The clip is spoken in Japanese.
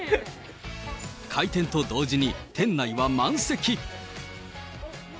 開店と同時に、店内は満席。